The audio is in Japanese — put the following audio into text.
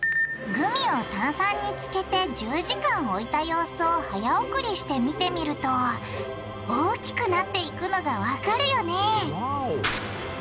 グミを炭酸につけて１０時間置いた様子を早送りして見てみると大きくなっていくのがわかるよねわお！